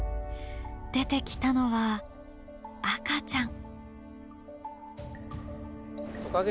出てきたのは赤ちゃん。